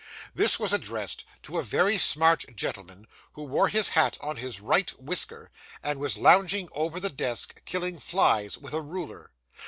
This was addressed to a very smart young gentleman who wore his hat on his right whisker, and was lounging over the desk, killing flies with a ruler.